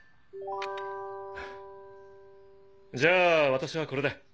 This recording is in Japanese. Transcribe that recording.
フッじゃあ私はこれで。